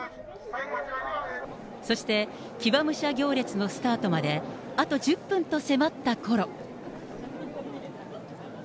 そして、騎馬武者行列のスタートまであと１０分と迫ったころ。